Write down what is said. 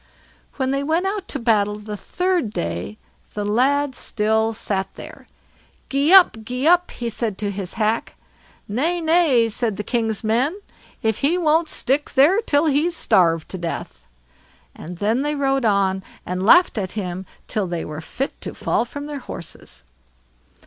When they went out to battle the third day, the lad still sat there. "Gee up! gee up!" he said to his hack. "Nay, nay", said the king's men; "if he won't stick there till he's starved to death." And then they rode on, and laughed at him till they were fit to fall from their horses.